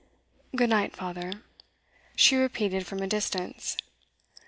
'Good night, father,' she repeated from a distance.